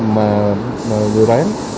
mà người đám